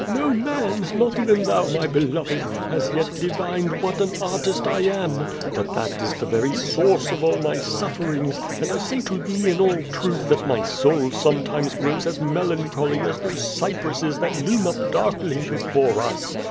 No man, not even thou, my beloved, has yet divined what an artist I am, but that is the very source of all my sufferings, and I say to thee in all truth that my soul sometimes grows as melancholy as those cypresses that loom up darkly before us.